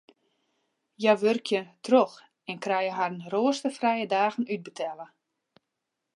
Hja wurkje troch en krije harren roasterfrije dagen útbetelle.